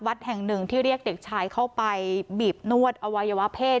วัดแห่งหนึ่งที่เรียกเด็กชายเข้าไปบีบนวดอวัยวะเพศ